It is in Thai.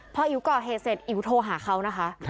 พออิ๋วก่อเหตุเสร็จอิ๋วโทรหาเขานะคะ